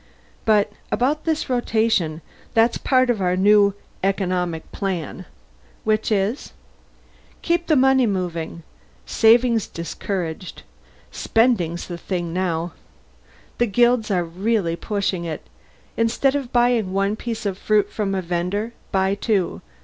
But about this rotation that's part of our new economic plan." "Which is?" "Keep the money moving! Saving's discouraged. Spending's the thing now. The guilds are really pushing it. Instead of buying one piece of fruit from a vender, buy two.